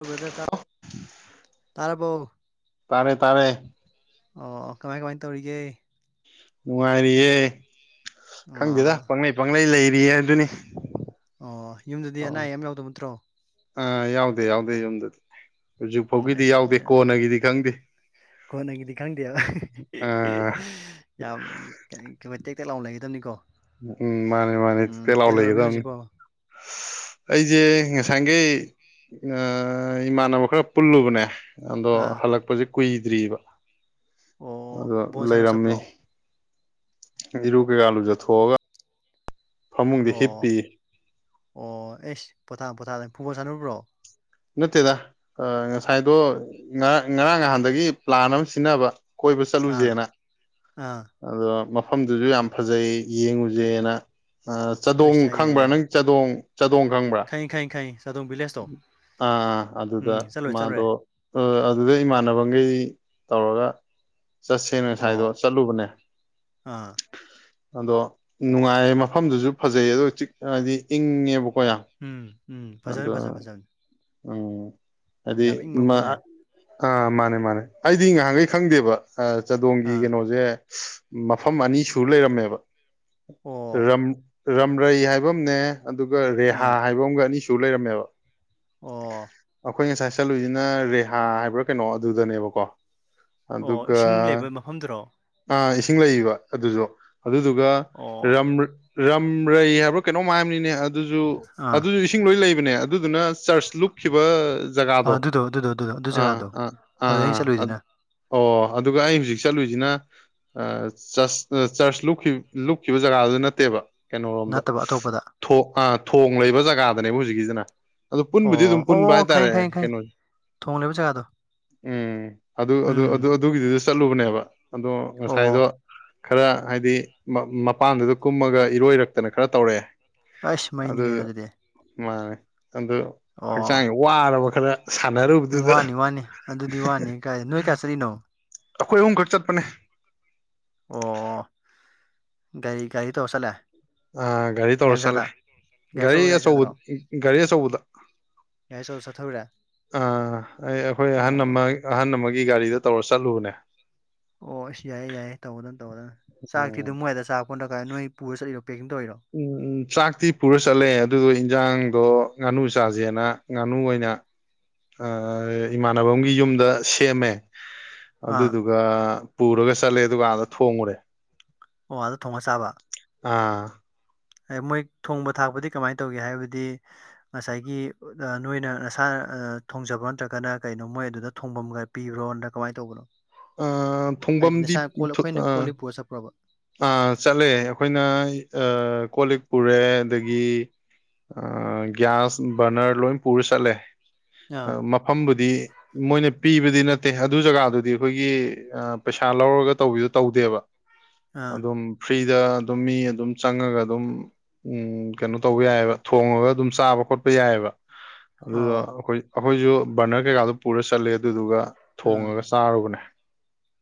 [unintelligible] ꯇꯥꯔꯕꯣ꯫ ꯇꯥꯔꯦ ꯇꯥꯔꯦ꯫ ꯑꯣ ꯀꯃꯥꯏ ꯀꯃꯥꯏ ꯇꯧꯔꯤꯒꯦ꯫ ꯅꯨꯡꯉꯥꯏꯔꯤꯌꯦ ꯈꯪꯗꯦꯗ ꯑꯣ ꯄꯪꯂꯩ ꯄꯪꯂꯩ ꯂꯩꯔꯤꯌꯦꯗꯨꯅꯤ꯫ ꯑꯣ ꯌꯨꯝꯗꯗꯤ ꯑꯅꯥ ꯑꯌꯦꯛ ꯌꯥꯎꯗꯕ ꯅꯠꯇ꯭ꯔꯣ꯫ ꯑꯥ ꯌꯥꯎꯗꯦ ꯌꯥꯎꯗꯦ ꯌꯨꯝꯗꯗꯤ ꯍꯧꯖꯤꯛ ꯎꯝ ꯐꯥꯎꯒꯤꯗꯤ ꯑꯁ ꯌꯥꯎꯗꯦ ꯀꯣꯟꯅꯒꯤꯗꯤ ꯈꯪꯗꯦ꯫ ꯀꯣꯟꯅꯒꯤꯗꯤ ꯈꯪꯗꯦꯕ ꯑꯥ [unintelligible] ꯌꯥꯝ [unintelligible] ꯇꯦꯛ ꯇꯦꯛ ꯂꯥꯎꯅ ꯂꯩꯒꯗꯕꯅꯤꯀꯣ꯫ ꯎꯝ ꯃꯥꯅꯦ ꯃꯥꯅꯦ ꯇꯦꯛ ꯎꯝ ꯇꯦꯜ ꯂꯥꯎ ꯀꯩꯗꯧꯔꯝꯃꯤꯅꯣ ꯂꯩꯒꯗꯕꯅꯤ꯫ ꯍꯧꯖꯤꯛꯄꯣ ꯑꯩꯖꯦ ꯉꯁꯥꯡꯒꯩ ꯑ ꯏꯃꯥꯟꯅꯕ ꯈꯔ ꯄꯨꯜꯂꯨꯕꯅꯦ ꯑꯗꯣ ꯑꯥ ꯍꯜꯂꯛꯄꯁꯦ ꯀꯨꯏꯗ꯭ꯔꯤꯑꯕ꯫ ꯑꯣ ꯑ ꯕꯣꯜ ꯁꯥꯟꯅꯕ ꯂꯩꯔꯝꯃꯤ ꯆꯠꯄ꯭ꯔꯣ ꯏꯔꯨ ꯀꯩꯀꯥ ꯂꯨꯖꯊꯣꯛꯑꯒ ꯐꯃꯨꯡꯗ ꯑꯣ ꯍꯤꯞꯄꯤꯌꯦ꯫ ꯑꯣ ꯑꯩꯁ ꯄꯣꯊꯥ ꯄꯣꯊꯥ ꯐꯨꯠꯕꯣꯜ ꯁꯥꯟꯅꯨꯕ꯭ꯔꯣ꯫ ꯅꯠꯇꯦꯗ ꯉꯁꯥꯏꯗꯣ ꯉꯔꯥꯡ ꯉꯔꯥꯡ ꯅꯍꯥꯟꯗꯒꯤ ꯄ꯭ꯂꯥꯟ ꯑꯃ ꯁꯤꯟꯅꯕ꯫ ꯀꯣꯏꯕ ꯑꯥ ꯆꯠꯂꯨꯖꯦꯅ꯫ ꯑꯥ ꯑꯗꯣ ꯃꯐꯝꯗꯨꯁꯨ ꯌꯥꯝ ꯐꯖꯩ ꯌꯦꯡꯉꯨꯖꯦꯅ ꯑ ꯆꯥꯗꯣꯡ ꯑꯁ ꯈꯪꯕ꯭ꯔꯥ ꯅꯪ ꯆꯥꯗꯣꯡ ꯆꯥꯗꯣꯡ ꯈꯪꯕ꯭ꯔꯥ꯫ ꯈꯪꯏ-ꯈꯪꯏ-ꯈꯪꯏ ꯑꯥ ꯑꯗꯨꯗ ꯎꯝ ꯆꯠꯂꯨꯔꯦ ꯆꯠꯂꯨꯔꯦ ꯃꯥꯗꯣ ꯑ ꯑꯗꯨꯗꯩ ꯏꯃꯥꯟꯅꯕꯒꯩ ꯇꯧꯔꯒ ꯆꯠꯁꯦꯅ ꯑꯣ ꯉꯁꯥꯏꯗꯣ ꯆꯠꯂꯨꯕꯅꯦ꯫ ꯑꯥ ꯑꯗꯣ ꯅꯨꯡꯉꯥꯏꯌꯦ ꯃꯐꯝꯗꯨꯖꯨ ꯐꯖꯩ ꯑꯗꯣ ꯆꯤꯛ ꯍꯥꯏꯗꯤ ꯏꯪꯉꯦꯕꯀꯣ ꯌꯥꯝ꯫ ꯎꯝ-ꯎꯝ ꯐꯖꯅꯤ ꯐꯖ-ꯐꯖꯅꯤ ꯑꯪ ꯍꯥꯏꯗꯤ ꯏꯪꯕ ꯎꯝ ꯃꯥ ꯃꯐꯝꯅꯦ ꯑ ꯑꯥ ꯃꯥꯅꯦ-ꯃꯥꯅꯦ ꯑꯩꯗꯤ ꯉꯍꯥꯟꯒꯩ ꯈꯪꯗꯦꯕ꯫ ꯑꯥ ꯆꯥꯗꯣꯡꯒꯤ ꯑꯥ ꯀꯩꯅꯣꯖꯦ ꯃꯐꯝ ꯑꯅꯤ ꯁꯨ ꯂꯩꯔꯝꯃꯦꯕ꯫ ꯑꯣ ꯔꯝ-ꯔꯝꯔꯩ ꯍꯥꯏꯕ ꯑꯝꯅꯦ ꯑꯗꯨꯒ ꯔꯦꯍꯥ ꯑꯥ ꯍꯥꯏꯕ ꯑꯝꯒ ꯑꯅꯤꯁꯨ ꯂꯩꯔꯝꯃꯦꯕ꯫ ꯑꯣ ꯑꯈꯣꯏ ꯉꯁꯥꯏ ꯆꯠꯂꯨꯢꯖꯤꯅ ꯔꯦꯍꯥ ꯍꯥꯏꯕ꯭ꯔꯥ ꯀꯩꯅꯣ ꯑꯗꯨꯗꯅꯦꯕꯀꯣ꯫ ꯑꯣ ꯑꯗꯨꯒ ꯏꯁꯤꯡ ꯂꯩꯕ ꯃꯐꯝꯗꯨꯔꯣ ꯑꯥ ꯏꯁꯤꯡ ꯂꯩꯕ ꯑꯗꯨꯖꯨ ꯑꯗꯨꯗꯨꯒ ꯑꯣ ꯔꯝꯔ ꯔꯝꯔꯩ ꯍꯥꯏꯕ ꯀꯩꯅꯣꯝ ꯍꯥꯢꯕꯅꯤꯅꯦ ꯑꯗꯨꯖꯨ ꯑꯥ ꯑꯗꯨꯖꯨ ꯏꯁꯤꯡ ꯂꯣꯏꯅ ꯂꯩꯕꯅꯦ ꯑꯗꯨꯗꯨꯅ ꯆꯔꯆ ꯂꯨꯞꯈꯤꯕ ꯑꯥ ꯖꯒꯥꯗꯣ ꯑꯗꯨꯗꯣ ꯑꯗꯨꯗꯣ ꯑꯗꯨꯗꯣ ꯑꯗꯨ ꯖꯒꯥꯗꯣ ꯑ-ꯑ ꯑꯗꯨꯗꯩꯅ ꯑꯥ-ꯑꯥ ꯑꯠ ꯆꯠꯂꯨꯏꯗꯨꯅ ꯑꯣ ꯑꯗꯨꯒ ꯑꯩ ꯍꯧꯖꯤꯛ ꯆꯠꯂꯨꯢꯖꯤꯅ ꯑ ꯆꯁ ꯑ ꯆꯔꯆ ꯂꯨꯞꯈꯤ-ꯂꯨꯞꯈꯤꯕ ꯖꯒꯥꯗꯨꯗ ꯅꯠꯇꯦꯕ ꯀꯩꯅꯣꯔꯣꯝꯗ ꯅꯠꯇꯕ ꯑꯇꯣꯞꯄꯗ ꯊꯣ ꯑꯥ ꯊꯣꯡ ꯂꯩꯕ ꯖꯒꯥꯗꯅꯦꯕ ꯍꯧꯖꯤꯛꯀꯤꯖꯤꯅ꯫ ꯄꯨꯟꯕꯨꯗꯤ ꯑꯗꯨꯝ ꯑꯣ ꯑꯣ ꯄꯨꯟꯕ ꯑꯣ ꯍꯥꯏꯇꯥꯔꯦ ꯈꯪꯉꯦ ꯈꯪꯉꯦ ꯈꯪꯉꯦ ꯀꯩꯅꯣ ꯊꯣꯡ ꯂꯩꯕ ꯖꯒꯥꯗꯣ ꯎꯝ ꯎꯝ ꯑꯗꯨ-ꯑꯗꯨ-ꯑꯗꯨ-ꯑꯗꯨꯒꯤꯗꯨꯗ ꯆꯠꯂꯨꯕꯅꯦꯕ ꯑꯗꯣ ꯉꯁꯥꯏꯗꯣ ꯑꯣ ꯈꯔ ꯍꯥꯏꯗꯤ ꯃ-ꯃꯄꯥꯟꯗꯨꯗ ꯀꯨꯝꯃꯒ ꯏꯔꯣꯏꯔꯛꯇꯅ ꯈꯔ ꯇꯧꯔꯛꯑꯦ꯫ ꯍꯥꯢ ꯃꯩꯅꯤ ꯑꯗꯨ ꯀꯩꯅꯣ ꯑꯗꯨꯗꯤ ꯃꯥꯅꯦ ꯑꯗꯨ ꯑꯣ ꯍꯛꯆꯥꯡ ꯋꯥꯔꯕ ꯈꯔ ꯁꯥꯟꯅꯔꯨ ꯎꯝ ꯋꯥꯅꯤ-ꯋꯥꯅꯤ ꯑꯗꯨꯗꯤ ꯋꯥꯅꯤ ꯀꯥꯏꯗꯩ ꯅꯣꯏ ꯀꯌꯥ ꯆꯠꯂꯤꯅꯣ꯫ ꯑꯈꯣꯏ ꯑꯍꯨꯝ ꯈꯛ ꯆꯠꯄꯅꯦ꯫ ꯑꯣ ꯒꯥꯔꯤ ꯒꯥꯔꯤ ꯇꯧꯔ ꯆꯠꯂꯦ꯫ ꯑꯥ ꯒꯥꯔꯤ ꯇꯧꯔ ꯆꯠꯂꯦ ꯒꯥꯔꯤ ꯑꯆꯧꯕ ꯒꯥꯔꯤ ꯑꯆꯧꯕꯗ꯫ ꯒꯥꯔꯤ ꯑꯆꯧꯕ ꯆꯠꯊꯔꯨꯔꯦ ꯑ ꯑꯩ ꯑꯩꯈꯣꯏ ꯑꯍꯟ ꯑꯣ ꯑꯃ ꯑꯍꯟ ꯑꯃꯒꯤ ꯒꯥꯔꯤꯗ ꯇꯧꯔ ꯆꯠꯂꯨꯕꯅꯦ꯫ ꯑꯣ ꯑꯁ ꯌꯥꯏꯌꯦ ꯌꯥꯏꯌꯦ ꯇꯧꯒꯗꯃꯤ ꯇꯧꯒꯗꯃꯤ ꯆꯥꯛꯇꯤ ꯎꯝ ꯑꯗꯨꯝ ꯃꯣꯏ ꯑꯗ ꯆꯥꯔꯛꯄꯣꯗ ꯅꯠꯇ꯭ꯔꯒꯅ ꯀꯥꯢꯅ ꯅꯣꯏ ꯄꯨꯔ ꯆꯠꯂꯤꯔꯣ ꯄꯦꯛꯀꯤꯡ ꯇꯧꯔꯤꯔꯣ꯫ ꯎꯝ ꯎꯝ ꯆꯥꯛꯇꯤ ꯄꯨꯔ ꯆꯠꯂꯦ ꯑꯗꯨꯗꯣ ꯏꯟꯖꯥꯡꯗꯣ ꯉꯥꯅꯨ ꯆꯥꯖꯦꯅ ꯉꯥꯅꯨ ꯑꯣꯏꯅ ꯑ-ꯑ ꯏꯃꯥꯟꯅꯕꯝꯒꯤ ꯌꯨꯝꯗ ꯁꯦꯝꯃꯦ꯫ ꯁꯦꯝꯃꯦ ꯑꯥ ꯒꯥ ꯄꯨꯔꯒ ꯆꯠꯂꯦ ꯑꯗꯨꯒ ꯑꯥꯗ ꯊꯣꯡꯉꯨꯔꯦ꯫ ꯑꯣ ꯑꯥꯗ ꯊꯣꯡꯉ ꯆꯥꯕ ꯑꯥ ꯑꯦ ꯃꯣꯏ ꯊꯣꯡꯕ ꯊꯥꯛꯄꯗꯤ ꯀꯃꯥꯏ ꯇꯧꯒꯦ ꯍꯥꯏꯕꯗꯤ ꯉꯁꯥꯏꯒꯤ ꯑ ꯅꯣꯏꯅ ꯅꯁꯥ ꯊꯣꯡꯖꯕꯥ ꯅꯠꯇ꯭ꯔꯒꯅ ꯀꯩꯅꯣ ꯃꯣꯏ ꯑꯗꯨꯗ ꯊꯣꯡꯐꯝꯒꯥ ꯄꯤꯕ꯭ꯔꯣ ꯑꯟꯇ ꯀꯃꯥꯏꯅ ꯇꯧꯕꯅꯣ ꯑꯥ ꯍꯥꯏꯗꯤ ꯊꯣꯡꯐꯝꯗꯤ ꯅꯁꯥ ꯀꯣꯜ ꯑꯈꯣꯏꯅ ꯀꯣꯜ ꯂꯤꯛ ꯄꯨꯔꯒ ꯆꯠꯄ꯭ꯔꯣꯕ꯫ ꯑ ꯆꯠꯂꯦ ꯑꯈꯣꯏꯅ ꯑ ꯀꯣꯜ ꯂꯤꯛ ꯄꯨꯔꯦ ꯑꯗꯒꯤ ꯑ ꯒ꯭ꯌꯥꯁ ꯕꯔꯅꯔ ꯂꯣꯏ ꯄꯨꯔ ꯆꯠꯂꯦ꯫ ꯑ ꯑꯥ ꯃꯐꯝꯕꯨꯗꯤ ꯃꯣꯏꯅ ꯄꯤꯕꯗꯤ ꯅꯠꯇꯦ ꯑꯗꯨ ꯖꯒꯥꯗꯨꯗꯤ ꯈꯣꯏꯒꯤ ꯑ ꯄꯩꯁꯥ ꯂꯧꯔꯒ ꯇꯧꯕꯤꯗꯣ ꯇꯧꯗꯦꯕ ꯑꯥ ꯑꯗꯨꯝ ꯐ꯭ꯔꯤꯗ ꯑꯗꯨꯝ ꯃꯤ ꯑꯗꯨꯝ ꯆꯪꯉꯒ ꯑꯗꯨꯝ ꯎꯝ ꯀꯩꯅꯣ ꯇꯧꯕ ꯌꯥꯏꯌꯦꯕ ꯊꯣꯡꯉꯒ ꯑꯗꯨꯝ ꯆꯥꯕ ꯈꯣꯠꯄ ꯌꯥꯏꯌꯦꯕ꯫ ꯑꯗꯨꯗꯣ ꯑꯣ ꯑꯈꯣꯏ ꯑꯈꯣꯏꯁꯨ ꯕꯔꯅꯔ ꯀꯩꯀꯥꯗꯣ ꯄꯨꯔ ꯆꯠꯂꯦ ꯑꯗꯨꯗꯨꯒ ꯊꯣꯡꯉꯒ ꯆꯥꯔꯨꯕꯅꯦ꯫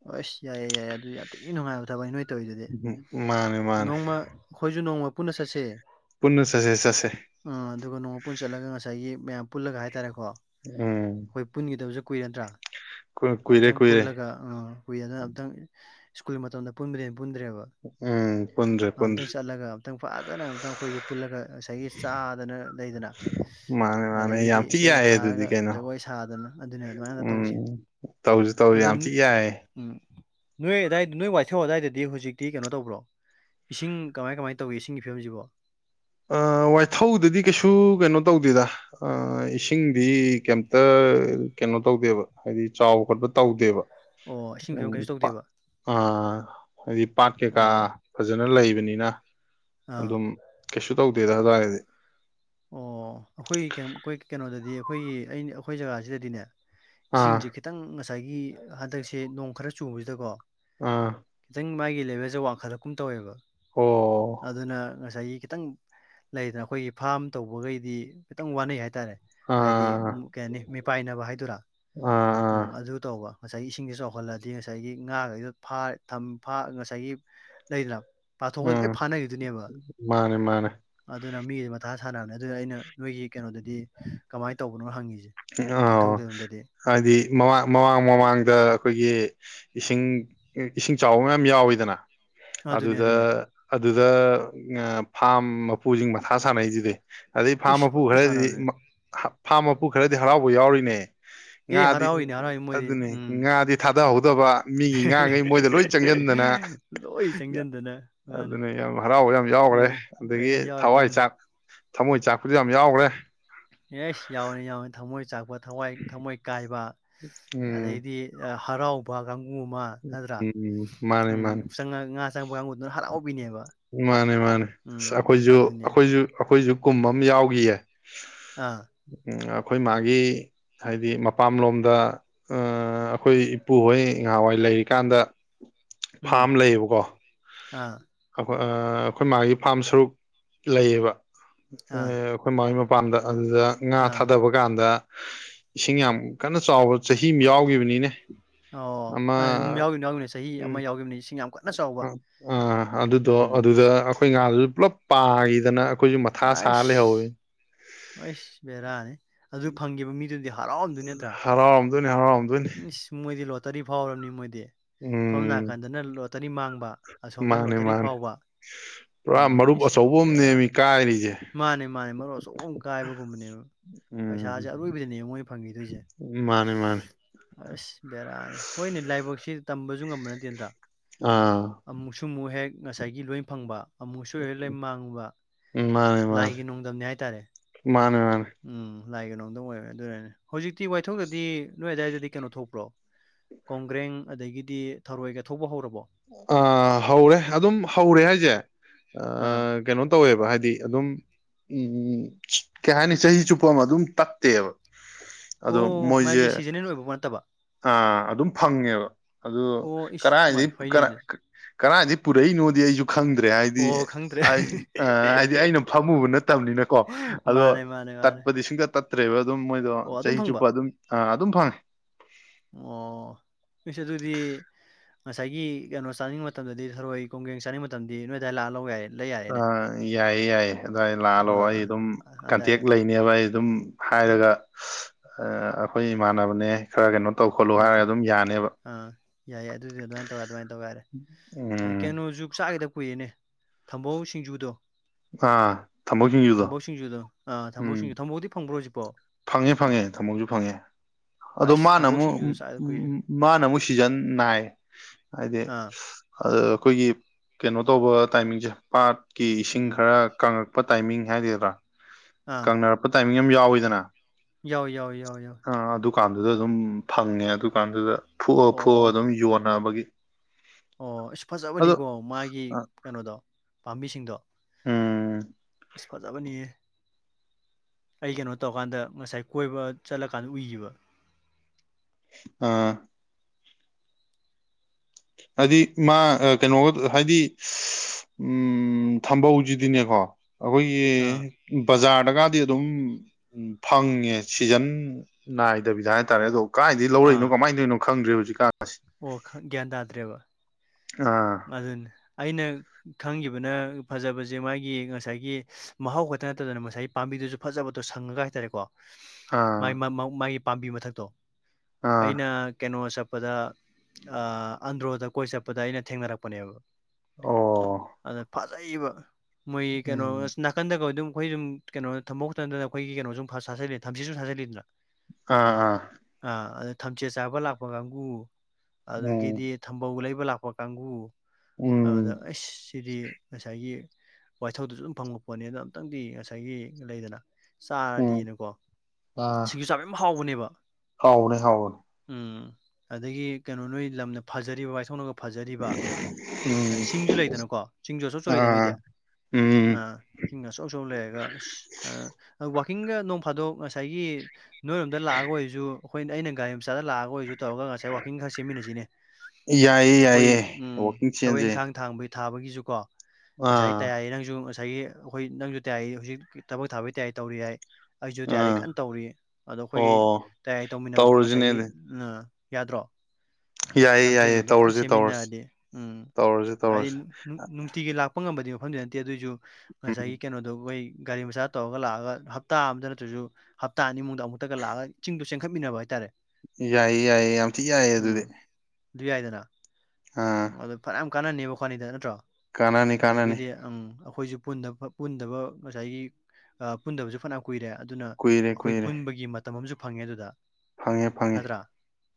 ꯑꯧꯁ ꯌꯥꯏꯌꯦ ꯌꯥꯏꯌꯦ ꯑꯗꯨ ꯌꯥꯝ ꯊꯤ ꯅꯨꯡꯉꯥꯏꯕ ꯊꯕꯛ ꯅꯣꯏ ꯇꯧꯋꯤꯗꯨꯗꯤ ꯎꯝ ꯃꯥꯅꯦ ꯃꯥꯅꯦ ꯅꯣꯡꯃ ꯈꯣꯏꯖꯨ ꯅꯣꯡꯃ ꯄꯨꯟꯅ ꯆꯠꯁꯦ꯫ ꯄꯨꯟꯅ ꯆꯁꯦ ꯆꯠꯁꯦ ꯑꯥ ꯑꯗꯨꯒ ꯅꯣꯡꯃ ꯄꯨꯟ ꯆꯠꯂꯒ ꯉꯁꯥꯏꯒꯤ ꯃꯌꯥꯝ ꯄꯨꯜꯂꯒ ꯍꯥꯏꯇꯥꯔꯦꯀꯣ꯫ ꯎꯝ ꯈꯣꯏ ꯄꯨꯟꯒꯤꯗꯕꯖꯨ ꯀꯨꯏꯔꯦ ꯑꯟꯗ꯭ꯔꯥ ꯀꯨꯏ- ꯀꯨꯏꯔꯦ ꯑꯝꯇꯪ ꯀꯨꯏꯔꯦ ꯄꯨꯜꯂꯒ ꯑꯥ ꯍꯨꯏ ꯑꯗꯨꯅ ꯑꯝꯛꯇꯪ ꯁ꯭ꯀꯨꯜ ꯃꯇꯝꯗ ꯄꯨꯟꯕ꯭ꯔꯦ ꯄꯨꯟꯗ꯭ꯔꯦꯕ ꯎꯝ ꯄꯨꯗ ꯑꯝꯇꯪ ꯆꯠꯂꯒ ꯑꯝꯇꯪ ꯐꯖꯅ ꯑꯝꯇꯪ ꯑꯩꯈꯣꯏꯒꯤ ꯄꯨꯜꯂꯒ ꯉꯁꯥꯏꯒꯤ ꯆꯥꯗꯅ ꯂꯩꯗꯅ ꯃꯥꯅꯦ ꯃꯥꯅꯦ ꯑꯗꯒꯤꯗꯤ ꯌꯥꯝ ꯊꯤ ꯏꯁꯩꯒ ꯌꯥꯏꯌꯦ ꯑꯗꯨꯗꯤ ꯊꯥꯔꯒ ꯀꯩꯅꯣ ꯖꯒꯣꯏ ꯁꯥꯗꯅ ꯑꯗꯨꯅꯦ ꯑꯗꯨꯃꯥꯏꯅ ꯎꯝ ꯇꯧꯁꯦ ꯇꯧꯁꯤ ꯇꯧꯁꯤ ꯌꯥꯝ ꯑꯗꯨꯗꯣ ꯊꯤ ꯌꯥꯏꯌꯦ ꯎꯝ ꯅꯣꯏ ꯑꯗꯥꯏ ꯅꯣꯏ ꯋꯥꯏꯊꯣꯛ ꯑꯗꯥꯏꯗꯗꯤ ꯍꯧꯖꯤꯛꯇꯤ ꯀꯩꯅꯣ ꯇꯧꯕ꯭ꯔꯣ ꯏꯁꯤꯡ ꯀꯃꯥꯏ ꯀꯃꯥꯏ ꯇꯧꯏꯤ ꯏꯁꯤꯡꯒꯤ ꯐꯤꯕꯝꯁꯤꯕꯣ ꯋꯥꯏꯊꯧꯗꯗꯤ ꯀꯩꯁꯨ ꯀꯩꯅꯣ ꯇꯧꯗꯦꯗ ꯑꯥ ꯏꯁꯤꯡꯗꯤ ꯀꯩꯝꯇ ꯀꯩꯅꯣ ꯇꯧꯗꯦꯕ ꯍꯥꯏꯗꯤ ꯆꯥꯎ ꯈꯣꯠꯄ ꯇꯧꯗꯦꯕ ꯑꯣ ꯏꯁꯤꯡ ꯐꯤꯕꯝ ꯀꯩꯁꯨ ꯇꯧꯗꯦꯕ ꯑꯥ ꯍꯥꯏꯗꯤ ꯄꯥꯠ ꯀꯩꯀꯥ ꯑꯣ ꯐꯖꯅ ꯂꯩꯕꯅꯤꯅ ꯑꯥ ꯑꯗꯨꯝ ꯀꯩꯁꯨ ꯇꯧꯗꯦꯗ ꯑꯗꯨꯋꯥꯏꯗꯗꯤ ꯑꯣ ꯑꯩꯈꯣꯏ ꯑꯩꯈꯣꯏ ꯀꯩꯅꯣꯗꯗꯤ ꯑꯩꯈꯣꯏꯒꯤ ꯑꯩ ꯑꯩꯈꯣꯏ ꯖꯒꯥꯁꯤꯗꯗꯤꯅꯦ ꯑꯥ ꯏꯁꯤꯡꯁꯦ ꯈꯤꯇꯪ ꯉꯁꯥꯏꯒꯤ ꯍꯟꯗꯛꯁꯦ ꯅꯣꯡ ꯈꯔ ꯆꯨꯕꯁꯤꯗꯀꯣ ꯑꯥ ꯈꯤꯇꯪ ꯃꯥꯒꯤ ꯂꯦꯕꯦꯜꯁꯦ ꯋꯥꯡꯈꯠꯂꯛꯀꯨꯝ ꯇꯧꯋꯦꯕ ꯑꯣ ꯑꯗꯨꯅ ꯉꯁꯥꯏꯒꯤ ꯈꯤꯇꯪ ꯂꯩꯗꯅ ꯑꯩꯈꯣꯏꯒꯤ ꯐꯥꯝ ꯇꯧꯕꯈꯩꯗꯤ ꯈꯤꯇꯪ ꯋꯥꯅꯩ ꯍꯥꯏꯇꯥꯔꯦ ꯍꯥꯏꯗꯤ ꯑꯥ ꯑꯥ ꯀꯩ ꯍꯥꯏꯅꯤ ꯃꯤꯄꯥꯏꯅꯕ ꯍꯥꯏꯗꯣꯏꯔꯥ ꯑꯥ ꯑꯥ ꯎꯝ ꯑꯗꯨ ꯇꯧꯕ ꯉꯁꯥꯏꯒꯤ ꯏꯁꯤꯡꯁꯦ ꯆꯥꯎꯈꯠꯂꯗꯤ ꯉꯁꯥꯏꯒꯤ ꯐꯥ ꯊꯝ ꯉꯥ ꯉꯥꯈꯩꯗꯣ ꯉꯁꯥꯏꯒꯤ ꯂꯩꯗꯅ ꯄꯥꯊꯣꯛꯄꯈꯔꯗꯤ ꯂꯣꯏ ꯎꯝ ꯐꯥꯅꯒꯤꯗꫭꯏꯅꯦꯕ ꯃꯥꯅꯦ ꯃꯥꯅꯦ ꯑꯗꯨꯅ ꯃꯤꯗꯤ ꯃꯊꯥ ꯁꯥꯟꯅꯕꯅꯦ ꯑꯗꯨꯅ ꯑꯩꯅ ꯅꯣꯏꯒꯤ ꯀꯩꯅꯣꯗꯗꯤ ꯀꯃꯥꯏꯅ ꯇꯧꯕꯅꯣ ꯍꯪꯉꯤꯁꯦ ꯑ ꯋꯥꯏꯊꯧꯗꯔꯣꯝꯗꯗꯤ ꯍꯥꯏꯗꯤ ꯃꯃꯥꯡ ꯃꯃꯥꯡꯗ ꯑꯩꯈꯣꯏꯒꯤ ꯏꯁꯤꯡ ꯏꯁꯤꯡ ꯆꯥꯎꯕ ꯃꯌꯥꯝ ꯌꯥꯎꯋꯤꯗꯅ ꯑꯗꯨꯅꯦ ꯑꯗꯨꯗ ꯑꯗꯨꯅꯦ ꯑꯗꯨꯗ ꯐꯥꯝ ꯃꯄꯨꯁꯤꯡ ꯃꯊꯥ ꯁꯥꯟꯅꯩꯁꯤꯗꯤ ꯑꯗꯩ ꯐꯥꯝ ꯏꯁ ꯃꯄꯨ ꯐꯖꯅ ꯈꯔꯗꯤ ꯁꯥꯟꯅꯕꯅꯦ ꯐꯥꯝ ꯃꯄꯨ ꯈꯔꯗꯤ ꯍꯔꯥꯎꯕ ꯌꯥꯎꯔꯤꯅꯦ ꯑꯦ ꯉꯥꯗꯤ ꯍꯔꯥꯎꯏꯅꯦ ꯍꯔꯥꯎꯏ ꯃꯣꯏꯗꯤ ꯑꯗꯨꯅꯤ ꯎꯝ ꯉꯥꯗꯤ ꯊꯥꯗꯍꯧꯗꯕ ꯃꯤꯒꯤ ꯉꯥꯈꯩ ꯃꯣꯏꯗ ꯂꯣꯏ ꯆꯪꯁꯤꯟꯗꯅ ꯂꯣꯏ ꯆꯪꯁꯤꯟꯗꯅ ꯃꯥꯅꯤ ꯑꯗꯨꯅ ꯌꯥꯝ ꯍꯔꯥꯎꯕ ꯌꯥꯝ ꯌꯥꯎꯈ꯭ꯔꯦ ꯃꯣꯏ ꯑꯦ ꯑꯗꯒꯤ ꯌꯥꯎꯔꯤꯅꯤ ꯊꯋꯥꯏ ꯌꯥꯎꯔꯤꯅꯤ ꯆꯥꯛ ꯊꯃꯣꯏ ꯆꯥꯛꯄꯨꯁꯨ ꯌꯥꯝ ꯌꯥꯎꯈ꯭ꯔꯦ ꯑꯦꯁ ꯌꯥꯎꯋꯤ ꯌꯥꯎꯋꯤ ꯊꯝꯃꯣꯏ ꯆꯥꯛꯄ ꯊꯋꯥꯏ ꯊꯃꯣꯏ ꯀꯥꯏꯕ ꯎꯝ ꯑꯗꯩꯗꯤ ꯍꯔꯥꯎꯕ ꯀꯥꯡꯕꯨ ꯑꯃꯥ ꯅꯠꯇ꯭ꯔꯥ ꯎꯝ ꯃꯥꯅꯦ ꯎꯝ ꯃꯥꯅꯦ ꯎꯪ ꯉꯥ ꯆꯪꯕ ꯀꯥꯡꯕꯨꯗꯨꯅ ꯍꯔꯥꯎꯥꯎꯕꯤꯅꯦꯕ ꯃꯥꯅꯦ ꯃꯥꯅꯦ ꯑꯁ ꯑꯩꯈꯣꯏꯁꯨ ꯑꯩꯈꯣꯏꯁꯨ ꯑꯩꯈꯣꯏꯁꯨ ꯀꯨꯝꯕ ꯑꯃ ꯌꯥꯎꯒꯤꯌꯦ ꯑꯥ ꯎꯝ ꯑꯩꯈꯣꯏ ꯃꯥꯒꯤ ꯍꯥꯏꯗꯤ ꯃꯄꯥꯝꯂꯣꯝꯗ ꯑꯥ ꯑꯩꯈꯣꯏ ꯏꯄꯨꯍꯣꯏ ꯉꯍꯥꯥꯟꯋꯥꯏ ꯂꯩꯔꯤꯀꯥꯟꯗ ꯐꯥꯝ ꯎꯝ ꯂꯩꯌꯦꯕꯀꯣ ꯑꯥ ꯑꯩꯈꯣꯏ ꯃꯥꯒꯤ ꯐꯥꯝ ꯁꯔꯨꯛ ꯂꯩꯌꯦꯕ ꯑꯥ ꯑꯩꯈꯣꯏ ꯃꯔꯒꯤ ꯃꯄꯥꯟꯗ ꯑꯗꯨꯗ ꯉꯥ ꯑꯥ ꯊꯥꯗꯕ ꯀꯥꯟꯗ ꯏꯁꯤꯡ ꯌꯥꯝ ꯀꯟꯅ ꯆꯥꯎꯕ ꯆꯍꯤ ꯑꯃ ꯌꯥꯎꯈꯤꯕꯅꯤꯅꯦ ꯑꯣ ꯑꯃ ꯑꯗꯨꯝ ꯌꯥꯎꯈꯤꯕꯅꯤ ꯌꯥꯎꯈꯤꯕꯅꯤ ꯆꯍꯤ ꯑꯃ ꯎꯝ ꯌꯥꯎꯈꯤꯕꯅꯤ ꯏꯁꯤꯡ ꯌꯥꯝ ꯀꯟ ꯑꯥ ꯑꯗꯨꯗꯣ ꯑꯗꯨꯗ ꯑꯩꯈꯣꯏ ꯉꯥꯗꯨꯁꯨ ꯄꯨꯂꯞ ꯄꯥꯈꯤꯗꯅ ꯑꯩꯈꯣꯏꯁꯨꯦ ꯃꯊꯥ ꯁꯥ ꯂꯩꯍꯧꯋꯤ ꯑꯩꯁ ꯑꯩꯁ ꯕꯦꯔꯥꯅꯤ ꯑꯗꯨ ꯐꯪꯈꯤꯕ ꯃꯤꯗꯨꯗꯤ ꯍꯔꯥꯎꯔꯝꯗꯣꯏ ꯅꯠꯇ꯭ꯔꯥ ꯍꯔꯥꯎꯔꯝꯗꯣꯏꯅꯤ ꯍꯔꯥꯎꯔꯝꯗꯣꯏꯅꯤ ꯏꯁ ꯃꯣꯏꯗꯤ ꯂꯣꯇꯔꯤ ꯐꯥꯎꯔꯕꯅꯤ ꯃꯣꯏꯗꯤ ꯁꯣꯝ ꯎꯝ ꯅꯥꯀꯟꯗꯅ ꯂꯣꯇꯔꯤ ꯃꯥꯡꯕ ꯑꯁꯣꯝꯗꯅ ꯃꯥꯅꯦ ꯂꯣꯇꯔꯤ ꯃꯥꯅꯦ ꯐꯥꯎꯕ ꯄꯨꯔꯥ ꯎꯝ ꯃꯔꯨꯞ ꯑꯩꯁ ꯑꯆꯧꯕ ꯕꯦꯔꯥꯅꯤ ꯑꯃꯅꯦꯃꯤ ꯀꯥꯏꯔꯤꯁꯦ ꯃꯥꯅꯦ ꯃꯥꯅꯦ ꯃꯔꯨꯞ ꯑꯆꯧꯕ ꯑꯃ ꯀꯥꯏꯕꯒꯨꯝꯕꯅꯦꯕ ꯄꯩꯁꯥꯁꯦ ꯑꯔꯣꯏꯕꯤꯗꯅꯦ ꯃꯣꯏꯅ ꯐꯪꯈꯤꯗꯣꯏꯁꯦ ꯃꯥꯅꯤ ꯃꯥꯅꯤ ꯑꯁ ꯕꯦꯔꯥꯅꯤ ꯍꯣꯏꯅꯦ ꯂꯥꯏꯕꯛꯁꯤ ꯇꯝꯕꯁꯨ ꯉꯝꯕ ꯅꯠꯇꯦ ꯅꯠꯇꯔꯥ ꯑꯥ ꯑꯃꯨꯛꯁꯨ ꯑꯃꯨꯛ ꯍꯦꯛ ꯉꯁꯥꯏꯒꯤ ꯂꯣꯏ ꯐꯪꯕ ꯑꯃꯨꯛꯁꯨ ꯍꯦꯛ ꯂꫭꯏ ꯃꯥꯡꯕ ꯃꯥꯅꯦ ꯃꯥꯅꯦ ꯂꯥꯏꯒꯤ ꯅꯣꯡꯗꯝꯅꯦ ꯍꯥꯏꯇꯥꯔꯦ ꯃꯥꯅꯦ ꯃꯥꯅꯦ ꯎꯝ ꯂꯥꯏꯒꯤ ꯅꯣꯝꯗꯝ ꯑꯣꯏꯔꯦ ꯑꯗꯨꯅꯅ‌ꯦ ꯍꯧꯖꯤꯛꯇꯤ ꯋꯥꯏꯊꯧꯗꯗꯤ ꯅꯣꯏ ꯑꯗꯨꯋꯥꯏꯗꯗꯤ ꯀꯩꯅꯣ ꯊꯣꯛꯄ꯭ꯔꯣ ꯀꯣꯡꯒ꯭ꯔꯦꯡ ꯑꯗꯒꯤꯗꯤ ꯊꯔꯣꯏꯒ ꯊꯣꯛꯄ ꯍꯧꯔꯕꯣ ꯑ ꯍꯧꯔꯦ ꯑꯗꯨꯝ ꯍꯧꯔꯦ ꯍꯥꯏꯁꯦ ꯑꯥ ꯀꯩꯅꯣ ꯇꯧꯋꯦꯕ ꯍꯥꯏꯗꯤ ꯑꯗꯨꯝ ꯎꯝ ꯆꯨ- ꯀꯩ ꯍꯥꯏꯅꯤ ꯆꯍꯤ ꯆꯨꯞꯄ ꯑꯃ ꯑꯗꯨꯝ ꯇꯠꯇꯦꯕ ꯑꯗꯣ ꯑꯣ ꯃꯥꯏꯁꯦ ꯁꯤꯖꯟꯅꯦꯟ ꯑꯣꯏꯕꯐꯥꯎ ꯅꯠꯇꯕ ꯑ ꯑꯗꯨꯝ ꯐꯪꯉꯦꯕ ꯑꯗꯨ ꯑꯣ ꯏꯁ ꯀꯗꯥꯥꯏꯗꯩ ꯃꯥꯏ ꯐꯩꯅꯦ ꯑꯗꯨꯗꯤ ꯀꯗꯥꯏ-ꯀ ꯀꯗꯥꯥꯏꯗꯤ ꯄꯨꯔꯛꯏꯅꯣꯗꯤ ꯑꯩꯁꯨ ꯈꯪꯗ꯭ꯔꯦ ꯍꯥꯏꯗꯤ ꯑꯣ ꯈꯪꯗ꯭ꯔꯦ ꯍꯥꯏꯗꯤ ꯑꯩꯅ ꯐꯝꯃꯨꯕ ꯅꯠ ꯕꯅꯤꯅꯀꯣ ꯑꯗꯣ ꯃꯥꯅꯦ ꯃꯥꯅꯦ ꯃꯥꯅꯦ ꯇꯠꯄꯗ ꯂꯤꯁꯤꯡꯒ ꯇꯠꯇ꯭ꯔꯦꯕ ꯑꯗꯨꯝ ꯃꯣꯏꯗꯣ ꯑꯣ ꯑꯗꯨꯝ ꯆꯍꯤ ꯐꯪꯕ ꯆꯨꯞꯄ ꯑꯗꯨꯝ ꯑ ꯑꯗꯨꯝ ꯐꯪꯉꯦ ꯑꯣ ꯏꯁ ꯑꯗꯨꯗꯤ ꯉꯁꯥꯏꯒꯤ ꯀꯩꯅꯣ ꯆꯥꯅꯤꯡꯕ ꯃꯇꯝꯗꯗꯤ ꯊꯔꯣꯏ ꯀꯣꯡꯒꯦꯡ ꯆꯥꯅꯤꯡꯕ ꯃꯇꯝꯗꯗꯤ ꯅꯣꯏ ꯑꯗꯨꯋꯥꯏ ꯂꯥꯛꯑ ꯂꯧ ꯌꯥꯏꯦ ꯑ ꯌꯥꯏꯌꯦ ꯌꯥꯏꯌꯦ ꯑꯗꯨꯋꯥꯏ ꯂꯥꯛꯑ ꯂꯧ ꯑꯩ ꯑꯥ ꯑꯗꯨꯝ ꯀꯟꯇꯦꯛ ꯑꯗꯥꯏꯗ ꯂꯩꯅꯦꯕ ꯑꯩ ꯑꯗꯨꯝ ꯍꯥꯏꯔꯒ ꯑꯩꯈꯣꯏ ꯏꯃꯥꯟꯅꯕꯅꯦ ꯈꯔ ꯀꯩꯅꯣ ꯇꯧ ꯈꯣꯠꯂꯣ ꯑꯥ ꯍꯥꯏꯔꯒ ꯑꯗꯨꯝ ꯌꯥꯅꯦꯕ ꯑꯥ ꯌꯥꯏ ꯌꯥꯏ ꯑꯗꯨꯗꯤ ꯑꯗꯨꯃꯥꯏꯅ ꯇꯧꯔꯒ ꯑꯗꯨꯃꯥꯏꯅ ꯇꯧꯒꯦ ꯌꯥꯔꯦ ꯑ ꯎꯝ ꯀꯩꯅꯣꯁꯨ ꯆꯥꯈꯤꯗ ꯀꯨꯏꯅꯦ ꯊꯝꯕꯧ ꯁꯤꯡꯖꯨꯗꯣ ꯑꯥ ꯊꯝꯕꯧ ꯁꯤꯡꯖꯨꯗꯣ ꯊꯝꯕꯧ ꯁꯤꯡꯁꯨꯨ ꯑꯗꯨꯝ ꯑꯥ ꯎꯝ ꯊꯕꯧ ꯁꯤꯡꯁꯨ ꯊꯝꯕꯧꯇꯤ ꯐꯪꯕ꯭ꯔꯣ ꯍꯧꯖꯤꯛꯄꯣ ꯐꯪꯉꯦ ꯐꯪꯉꯦ ꯊꯝꯃꯛꯁꯨ ꯐꯪꯉꯦ ꯑꯗꯨ ꯑꯩꯁ ꯃꯥꯅ ꯊꯝꯕꯧ ꯑꯃꯨꯛ ꯁꯤꯡꯖꯨꯗꯣ ꯆꯥꯗ ꯀꯨꯏꯔꯦ ꯎ-ꯎꯝ ꯃꯥꯅ ꯑꯃꯨꯛ ꯁꯤꯖꯟ ꯅꯥꯏ ꯍꯥꯏꯗꯤ ꯑꯥ ꯑꯗ ꯑꯩꯈꯣꯏꯒꯤ ꯀꯩꯅꯣ ꯇꯧꯕ ꯇꯥꯏꯃꯤꯡꯁꯦ ꯄꯥꯠꯀꯤ ꯏꯁꯤꯡ ꯎꯝ ꯈꯔ ꯀꯪꯉꯛ ꯄ ꯇꯥꯏꯃꯤꯡ ꯍꯥꯏꯒꯗ꯭ꯔꯥ ꯐꯔꯛꯄ ꯇꯥꯏꯃꯤꯡ ꯑꯃ ꯌꯥꯎꯋꯤꯗꯅ ꯌꯥꯎ ꯌꯥꯎ ꯌꯥꯎ ꯌꯥꯎ ꯑ ꯑꯗꯨꯀꯥꯟꯗꯨꯗ ꯑꯗꯨꯝ ꯐꯪꯉꯦ ꯑꯗꯨꯀꯥꯟꯗꯨꯗ ꯐꯨꯑ ꯐꯨꯑ ꯑꯣ ꯑꯗꯨꯝ ꯌꯣꯟꯅꯕꯒꯤ ꯑꯣ ꯑꯁ ꯑꯗꯣ ꯐꯖꯕꯅꯤꯀꯣ ꯃꯥꯒꯤ ꯀꯩꯅꯣꯗꯣ ꯄꯥꯝꯕꯤꯁꯤꯡꯗꯣ ꯎꯝ ꯏꯁ ꯐꯖꯥꯕꯅꯤꯌꯦ ꯑꯩ ꯀꯩꯅꯣ ꯇꯧꯔꯀꯥꯟꯗ ꯉꯁꯥꯏ ꯀꯣꯏꯕ ꯆꯠꯂꯀꯥꯟꯗ ꯎꯏꯒꯤꯕ ꯑ ꯍꯥꯏꯗꯤ ꯃꯥ ꯑ ꯀꯩꯅꯣꯒ ꯍꯥꯏꯗꯤ ꯎꯝ ꯊꯝꯕꯧꯁꯤꯗꯤꯅꯦꯀꯣ ꯑꯥ ꯑꯩꯈꯣꯏꯒꯤ ꯕꯖꯥꯔꯗꯒꯗꯤ ꯑꯗꯨꯝ ꯎꯝ ꯐꯪꯉꯦ ꯁꯤꯖꯟ ꯅꯥꯏꯗꯕꯤꯗ ꯍꯥꯏꯇꯥꯔꯦ ꯑꯗꯣ ꯀꯥꯏꯗꯩ ꯑꯥ ꯂꯧꯔꯛꯏꯅꯣ ꯀꯃꯥꯏꯅ ꯇꯩꯏꯅꯣ ꯈꯪꯗ꯭ꯔꯦ ꯍꯧꯖꯤꯛꯀꯥꯟꯥꯁꯦ ꯑꯣ ꯈꯪ ꯒ꯭ꯌꯥꯟ ꯇꯥꯗ꯭ꯔꯦꯕ ꯑꯥ ꯃꯥꯗꯨꯅꯦ ꯑꯩꯅ ꯈꯪꯈꯤꯕꯅ ꯐꯖꯕꯁꯦ ꯃꯥꯒꯤ ꯉꯁꯥꯏꯒꯤ ꯃꯍꯥꯎ ꯈꯛꯇ ꯅꯠꯇꯗꯅ ꯉꯁꯥꯏ ꯄꯥꯝꯕꯤꯗꯨꯁꯨ ꯐꯖꯕꯗꯣ ꯁꯪꯉꯒ ꯍꯥꯏꯇꯥꯔꯦꯀꯣ ꯑꯥ ꯃꯥꯒꯤ ꯃꯥ-ꯃꯧ ꯃꯥꯒꯤ ꯄꯥꯝꯕꯤ ꯃꯊꯛꯇꯣ ꯑꯥ ꯑꯩꯅ ꯀꯦꯅꯣ ꯆꯠꯄꯗ ꯑꯥ ꯑꯟꯗ꯭ꯔꯣꯗ ꯀꯣꯏ ꯆꯠꯄꯗ ꯑꯩꯅ ꯊꯦꯡꯅꯔꯛꯄꯅꯦꯕ ꯑꯣ ꯑꯗ ꯐꯖꯩꯕ ꯃꯣꯏ ꯀꯩꯅꯣ ꯎꯝ ꯑꯁ ꯅ ꯅꯥꯀꯗꯒ ꯑꯗꯨꯝ ꯃꯣꯏꯗꯨ ꯀꯩꯅꯣ ꯊꯝꯕꯧ ꯇꯟꯗꯅ ꯑꯩꯈꯣꯏꯒꯤ ꯀꯩꯅꯣ ꯐꯥꯁꯥꯖꯤꯜ ꯊꯝꯆꯦ ꯁꯨ ꯁꯥꯠꯖꯜꯂꯤꯗꯅ ꯑꯥ ꯑꯥ ꯑꯥ ꯑꯗꯨ ꯊꯝꯆꯦꯠ ꯆꯥꯕ ꯂꯥꯛꯄ ꯀꯥꯡꯒꯨ ꯑꯗꯒꯤꯗꯤ ꯎꯝ ꯊꯝꯕꯧ ꯂꯩꯕ ꯂꯥꯛꯄ ꯀꯥꯡꯕꯨ ꯑꯗꯨꯗ ꯎꯝ ꯑꯩꯁ ꯁꯤꯗꯤ ꯉꯁꯥꯏꯒꯤ ꯋꯥꯏꯊꯧꯗꯨꯁꯨ ꯑꯗꯨꯝ ꯐꯪꯕꯛꯄꯣꯠꯅꯤ ꯑꯗꯣ ꯑꯝꯛꯇꯪꯗꯤ ꯉꯁꯥꯏꯒꯤ ꯂꯩꯗꯅ ꯎꯝ ꯆꯥꯔꯗꯤꯅꯀꯣ ꯁꯤꯡꯁꯨ ꯆꯥꯕ ꯌꯥꯝ ꯍꯥꯎꯕꯅꯦꯕ ꯍꯥꯎꯅꯦ ꯍꯥꯎꯅꯦ ꯎꯝ ꯑꯗꯒꯤ ꯀꯩꯅꯣ ꯅꯣꯏ ꯂꯝꯅ ꯐꯖꯔꯤꯕ ꯋꯥꯏꯁꯣꯛꯂꯒ ꯐꯖꯔꯤꯕ ꯎꯝ ꯆꯤꯡꯁꯨ ꯂꯩꯗꯅꯀꯣ ꯆꯤꯡꯁꯨ ꯑꯆꯧ ꯑꯆꯂ ꯂꯩꯗ ꯑꯥ ꯅꯣꯏꯗꯤ ꯎꯝ ꯑꯥ ꯤꯡꯒ ꯑꯆꯧ ꯑꯆꯧ ꯂꯩꯔꯒ ꯑꯁ ꯋꯥꯋꯥꯛꯀꯤꯡꯒ ꯅꯣꯡ ꯐꯥꯗꯣꯛ ꯉꯁꯥꯏꯒꯤ ꯅꯣꯏꯔꯣꯝꯗ ꯂꯥꯛꯑꯒ ꯑꯣꯏꯔꯁꯨ ꯑꯩꯈꯣꯏ ꯑꯩꯅ ꯒꯥꯔꯤ ꯃꯆꯥꯗ ꯂꯥꯛꯑꯒ ꯑꯣꯏꯔꯁꯨ ꯇꯧꯔꯒ ꯉꯁꯥꯏ ꯋꯥꯛꯀꯤꯡ ꯈꯔ ꯁꯦꯝꯃꯤꯟꯅꯁꯤꯅꯦ ꯌꯥꯏꯌꯦ ꯑꯩꯈꯣꯏ ꯌꯥꯏꯌꯦ ꯎꯝ ꯋꯥꯛꯀꯤꯡ ꯊꯕꯛ ꯆꯦꯟꯁꯦ ꯏꯪꯈꯥꯡ ꯊꯥꯡꯕꯩ ꯊꯥꯕꯒꯤꯁꯨꯀꯣ ꯉꯁꯥꯏ ꯑꯥ ꯇꯌꯥꯔꯤꯔꯪꯁꯨ ꯉꯁꯥꯏꯒꯤ ꯑꯩꯈꯣꯏ ꯅꯪꯁꯨ ꯇꯥꯏꯏ ꯍꯧꯖꯤꯛꯀꯤ ꯊꯕꯛ ꯊꯥꯕ ꯇ ꯇꯧꯔꯤ ꯍꯥꯏ ꯑꯩꯁꯨ ꯇꯌꯥꯔꯤ ꯑꯥ ꯀꯟꯅ ꯇꯧꯔꯤ ꯑꯗꯣ ꯑꯩꯈꯣꯏꯒꯤ ꯑꯣ ꯇꯌꯥꯔꯤ ꯇꯧꯃꯤꯟꯅꯕꯗꯣ ꯇꯧꯔꯁꯤꯅꯦ ꯉꯁꯥꯏꯒꯤ ꯑꯗꯨꯗꯤ ꯎꯝ ꯌꯥꯗ꯭ꯔꯣ ꯌꯥꯏꯌꯦ ꯂꯝꯖꯦꯜꯗꯣ ꯌꯥꯏꯌꯦ ꯑꯝꯇꯪ ꯇꯧ ꯁꯦꯝꯃꯤꯟꯅꯔꯗꯤ ꯎꯝ ꯍꯥꯏꯗꯤ ꯇꯧꯔꯁꯦ ꯅꯨꯡꯇꯤꯒꯤ ꯂꯥꯛꯄ ꯄꯛꯄ ꯉꯝꯕꯗꯤ ꯃꯐꯝꯗꯤ ꯅꯠꯇꯦ ꯑꯗꯨꯑꯣꯏꯁꯨ ꯉꯁꯥꯏꯒꯤ ꯎꯝ ꯀꯩꯅꯣꯗꯣ ꯑꯩꯈꯣꯏ ꯒꯥꯔꯤ ꯃꯆꯥ ꯇꯧꯔꯒ ꯂꯥꯛꯑꯒ ꯍꯞꯇꯥ ꯑꯃꯗ ꯅꯠꯇ꯭ꯔꯁꯨ ꯍꯞꯇꯥ ꯑꯅꯤꯃꯨꯗ ꯑꯃꯨꯛꯇꯒ ꯂꯥꯛꯑꯒ ꯆꯤꯡꯗꯣ ꯆꯦꯟꯈꯠꯃꯤꯟꯅꯕ ꯍꯥꯏꯇꯥꯔꯦ ꯌꯥꯏꯌꯦ ꯌꯥꯏꯌꯦ ꯌꯥꯝ ꯊꯤ ꯌꯥꯏꯌꯦ ꯑꯗꯨꯗꯤ ꯑꯗꯨꯏ ꯌꯥꯏꯗꯅ ꯑꯥ ꯑꯗꯨ ꯐꯅꯌꯥꯝ ꯀꯥꯟꯅꯅꯦꯕ ꯈ꯭ꯋꯥꯅꯤꯗ ꯅꯠꯇ꯭ꯔꯣ ꯀꯥꯟꯅꯅꯤ ꯀꯥꯟꯅꯅꯤ ꯑꯗꯒꯤꯗꯤ ꯎꯝ ꯑꯩꯈꯣꯏꯁꯨ ꯄꯨꯟꯗꯕ ꯉꯁꯥꯏꯒꯤ ꯄꯨꯟꯗꯕꯁꯨ ꯐꯅ ꯀꯨꯏꯔꯦ ꯑꯗꯨꯅ ꯀꯨꯏꯔꯦ ꯑꯩꯈꯣꯏ ꯀꯨꯏꯔꯦ ꯄꯨꯟꯕꯒꯤ ꯃꯇꯝ ꯑꯃꯁꯨ ꯐꯪꯉꯦ ꯑꯗꯨꯗ ꯐꯪꯉꯦ ꯐꯪꯉꯦ ꯅꯠꯇ꯭ꯔꯥ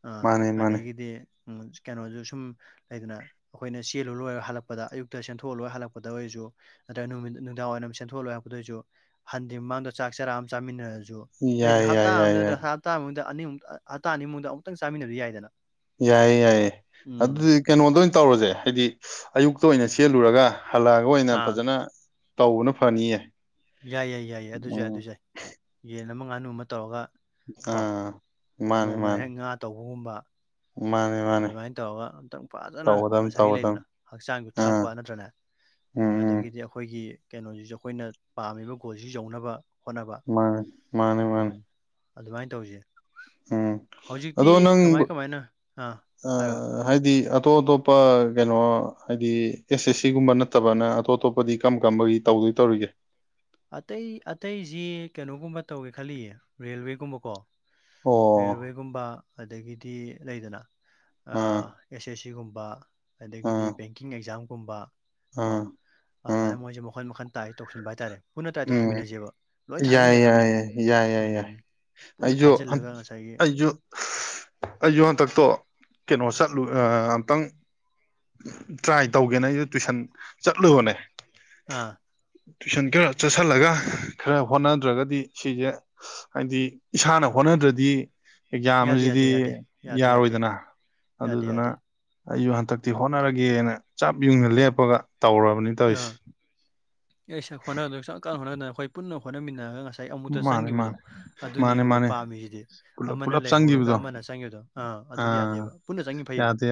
ꯑꯥ ꯃꯥꯅꯦ ꯃꯥꯅꯦ ꯑꯗꯒꯤꯗꯤ ꯎ ꯀꯩꯅꯣꯁꯨ ꯁꯨꯝ ꯂꯩꯗꯅ ꯑꯩꯈꯣꯏꯅ ꯆꯦꯜꯂꯨ ꯂꯣꯏꯔ ꯍꯜꯂꯛꯄꯗ ꯑꯌꯨꯛꯇ ꯁꯦꯟꯊꯣꯛꯑ ꯂꯣꯏ ꯍꯜꯂꯛꯄꯗ ꯑꯣꯏꯔꯁꯨ ꯅꯠꯇ꯭ꯔꯒ ꯅꯨꯃꯤ ꯅꯨꯡꯗꯥꯡ ꯋꯥꯏꯔꯝ ꯁꯦꯟꯊꯣꯛꯂꯣꯏꯔꯛꯄꯗꯣꯏꯁꯨ ꯍꯟꯗꯤ ꯃꯃꯥꯡꯗ ꯆꯥꯛ ꯆꯥꯔꯥꯑ ꯑꯃ ꯆꯥꯃꯤꯟꯅꯔꯁꯨ ꯌꯥꯏ ꯍꯞꯇꯥ ꯌꯥꯏ ꯌꯥꯏ ꯑꯃ ꯌꯥꯏ ꯍꯞꯇꯥ ꯃꯅꯨꯡꯗ ꯑꯅꯤꯃꯨ ꯍꯞꯇꯥ ꯑꯅꯤꯃꯨꯗ ꯑꯃꯨꯛꯇꯪ ꯆꯥꯃꯤꯟꯅꯕ ꯌꯥꯏꯗꯅ ꯌꯥꯏꯌꯦ ꯌꯥꯏꯌꯦ ꯎꯝ ꯑꯗꯨꯗꯤ ꯀꯩꯅꯣꯗ ꯑꯣꯏꯅ ꯇꯧꯔꯁꯦ ꯍꯥꯏꯗꯤ ꯑꯌꯨꯛꯇ ꯑꯣꯏꯅ ꯁꯦꯠꯂꯨꯔꯒ ꯍꯜꯂꯛꯑꯒ ꯑꯣꯏꯅ ꯑꯥ ꯐꯖꯅ ꯇꯧꯕꯅ ꯐꯅꯤꯌꯦ ꯌꯥꯏ ꯌꯥꯏ ꯌꯥꯏꯌꯦ ꯑꯗꯨꯁꯨ ꯌꯥꯏ ꯑꯗꯨ ꯎꯝ ꯌꯥꯏ ꯌꯦꯟ ꯑꯃ ꯉꯥꯅꯨ ꯑꯃ ꯇꯧꯔꯒ ꯀꯣ ꯑꯥ ꯃꯥꯅꯦ ꯅꯣꯡꯃꯅ ꯃꯥꯅꯦ ꯍꯦꯛ ꯉꯥ ꯇꯧꯕꯒꯨꯝꯕ ꯃꯥꯅꯦ ꯃꯥꯅꯦ ꯑꯗꯨꯃꯥꯏꯅ ꯇꯧꯔꯒ ꯑꯝꯇꯪ ꯐꯖꯅ ꯇꯧꯒꯗꯝ ꯉꯁꯥꯏꯒꯤ ꯇꯧꯒꯗꯝ ꯂꯩꯗꯅ ꯍꯛꯆꯥꯡꯁꯨ ꯑꯥ ꯊꯥꯛꯄ ꯅꯠꯇ꯭ꯔꯅꯦ ꯎꯝ ꯎꯝ ꯑꯗꯒꯤꯗꯤ ꯑꯩꯈꯣꯏꯒꯤ ꯀꯩꯅꯣꯁꯤꯁꯨ ꯑꯩꯈꯣꯏꯅ ꯄꯥꯝꯃꯤꯕ ꯒꯣꯜꯁꯤ ꯌꯧꯅꯕ ꯍꯣꯠꯅꯕ ꯃꯥꯅꯦ ꯃꯥꯅꯦ ꯃꯥꯅꯦ ꯎꯝ ꯑꯗꯨꯃꯥꯏꯅ ꯇꯧꯁꯦ ꯎꯝ ꯍꯧꯖꯤꯛꯇꯤ ꯑꯗꯣ ꯅꯪ ꯀꯃꯥꯏ ꯀꯃꯥꯏꯅ ꯑꯥ ꯑ ꯍꯥꯏꯔꯣ ꯍꯥꯏꯗꯤ ꯑꯇꯣꯞ ꯑꯇꯣꯞꯄ ꯀꯩꯅꯣ ꯍꯥꯏꯗꯤ ꯑꯦꯁ ꯑꯦꯁ ꯁꯤꯒꯨꯝꯕ ꯅꯠꯇꯕꯅ ꯑꯇꯣꯞ ꯑꯇꯣꯞꯄꯗꯤ ꯀꯝ ꯀꯝꯕꯒꯤ ꯇꯧꯗꯣꯏ ꯇꯧꯔꯤꯒꯦ ꯑꯇꯩ ꯑꯇꯩꯁꯤ ꯀꯩꯅꯣꯒꯨꯝꯕ ꯇꯧꯒꯦ ꯈꯜꯂꯤꯌꯦ ꯔꯦꯜꯋꯦꯒꯨꯝꯕꯀꯣ ꯑꯣ ꯔꯦꯜꯋꯦꯒꯨꯝꯕ ꯑꯗꯒꯤꯗꯤ ꯂꯩꯗꯅ ꯑꯥ ꯑꯦꯁ ꯑꯦꯁ ꯁꯤꯒꯨꯝꯕ ꯑꯗꯒꯤꯗꯤ ꯑꯥ ꯕꯦꯡꯀꯤꯡ ꯑꯦꯛꯖꯥꯝꯒꯨꯝꯕ ꯀꯣ ꯑꯥ ꯑꯥ ꯑꯗꯨꯃꯥꯏꯅ ꯃꯣꯏꯁꯦ ꯃꯈꯜ ꯃꯈꯟ ꯇꯥꯏ ꯇꯧꯁꯤꯟꯕ ꯍꯥꯏꯇꯥꯔꯦ ꯄꯨꯟꯅ ꯇ꯭ꯔꯥꯏ ꯎꯝ ꯇꯧꯁꯤꯟꯃꯤꯟꯅꯁꯦꯕ ꯂꯣꯏ ꯌꯥꯏ ꯊꯥꯖꯤꯟꯒꯗꯕꯅꯦ ꯌꯥꯏ ꯌꯥꯏ ꯌꯥꯏ ꯌꯥꯏ ꯌꯥꯏ ꯎꯝ ꯄꯨꯟꯅ ꯑꯩꯁꯨ ꯊꯥꯖꯤꯜꯂꯒ ꯉꯁꯥꯏꯒꯤ ꯑꯩꯁꯨ ꯑꯩꯁꯨ ꯍꯟꯇꯛꯇꯣ ꯀꯩꯅꯣ ꯆꯠꯂꯨ ꯑꯝꯛꯇꯪ ꯇ꯭ꯔꯥꯏ ꯇꯧꯒꯦꯅ ꯑꯩꯁꯨ ꯇꯨꯏꯁꯟ ꯆꯠꯂꯨꯕꯅꯦ ꯑꯥ ꯇꯨꯏꯁꯟ ꯈꯔ ꯆꯠꯁꯤꯜꯂꯒ ꯈꯔ ꯍꯣꯠꯅꯗ꯭ꯔꯒꯗꯤ ꯁꯤꯁꯦ ꯍꯥꯏꯗꯤ ꯏꯁꯥꯅ ꯍꯣꯠꯅꯗ꯭ꯔꯗꯤ ꯑꯦꯛꯖꯥꯝ ꯌꯥꯗꯦ ꯑꯁꯤꯗꯤ ꯌꯥꯗꯦ ꯌꯥꯗꯦ ꯌꯥꯗꯦ ꯌꯥꯗꯦ ꯌꯥꯔꯣꯏꯗꯅ ꯌꯥꯗꯦ ꯑꯗꯨꯗꯨꯅ ꯌꯥꯗꯦ ꯑꯩꯁꯨ ꯍꯟꯗꯛꯇꯤ ꯍꯣꯠꯅꯔꯒꯦꯅ ꯆꯞ ꯌꯨꯡꯅ ꯂꯦꯞꯄꯒ ꯇꯧꯔꯕꯅꯤ ꯇꯧꯔꯤꯁꯦ ꯑ ꯑꯩ ꯁꯛ ꯍꯣꯠꯅꯒꯗ ꯁ ꯀꯥꯟꯅ ꯍꯣꯠꯅꯒꯗꯅꯤ ꯑꯩꯈꯣꯏ ꯄꯨꯟꯅ ꯍꯣꯠꯅꯃꯤꯟꯅꯔꯒ ꯉꯁꯥꯏ ꯉꯁꯥꯏ ꯑꯃꯨꯛꯇ ꯃꯥꯅꯦ ꯆꯪꯈꯤꯕꯗꯣ ꯃꯥꯅꯦ ꯃꯥꯅꯦ ꯑꯗꯨꯅꯦꯕ ꯃꯥꯅꯦ ꯄꯥꯝꯃꯤꯁꯤꯗꯤ ꯄꯨꯂꯞ ꯑꯃꯅ ꯄꯨꯂꯞ ꯂꯩꯍꯧꯔꯒ ꯆꯪꯈꯤꯕꯗꯣ ꯑꯃꯅ ꯆꯪꯈꯤꯕꯗꯣ ꯑꯥ ꯑꯗꯨꯗꯤ ꯑꯥ ꯌꯥꯗꯦꯕ ꯄꯨꯟꯅ ꯆꯪꯉ ꯐꯩꯌꯦꯕ ꯌꯥꯗꯦ ꯌꯥ